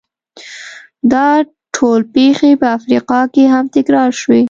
دا ډول پېښې په افریقا کې هم تکرار شوې.